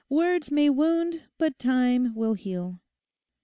Words may wound, but time will heal.